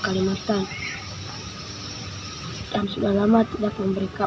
dia selalu mengajak saya ketika ada orang yang panggil untuk memperbaiki mesin